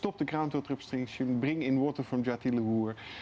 menghentikan abstraksi air tanah membawa air dari jatilawur